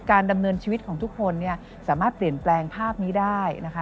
การดำเนินชีวิตของทุกคนสามารถเปลี่ยนแปลงภาพนี้ได้